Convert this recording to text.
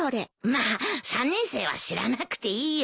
まあ３年生は知らなくていいよ。